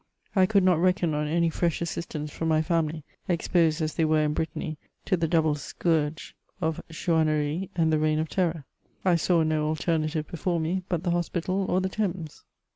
I could not reckon on any fresh assistance firom my family, exposed as they were in Brittany to the double scourge of enauannerie and the reign of terror. I saw no alternative befcnre me but the hospital or the Thames.